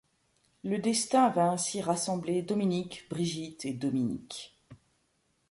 Le destin va ainsi rassembler Dominique, Brigitte et Dominique.